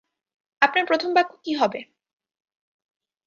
আপনার প্রথম বাক্য কী হবে?